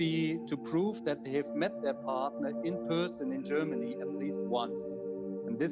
untuk membuktikan bahwa mereka telah bertemu pasangan mereka di jerman setidaknya sekali